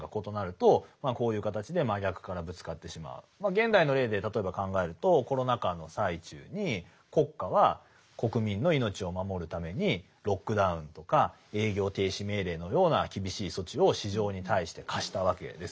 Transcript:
現代の例で例えば考えるとコロナ禍の最中に国家は国民の命を守るためにロックダウンとか営業停止命令のような厳しい措置を市場に対して課したわけです。